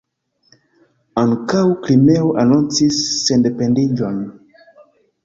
Ankaŭ Krimeo anoncis sendependiĝon.